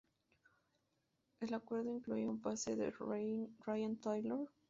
El acuerdo incluía el pase de Ryan Taylor a St James' Park.